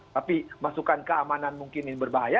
tapi masukan keamanan mungkin ini berbahaya